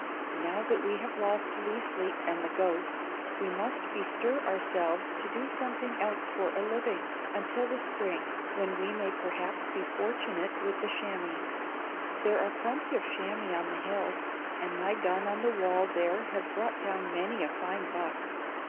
Now that we have lost Liesli and the goats, we must bestir ourselves to do something else for a living, until the spring, when we may perhaps be fortunate with the chamois. There are plenty of chamois on the hills, and my gun on the wall there has brought down many a fine buck.